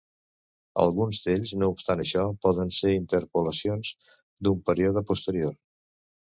Alguns d'ells, no obstant això, poden ser interpolacions d'un període posterior.